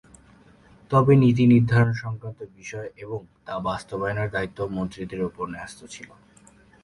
তবে নীতি নির্ধারণ সংক্রান্ত বিষয় এবং তা বাস্তবায়নের দায়িত্ব মন্ত্রীদের ওপর ন্যস্ত ছিল।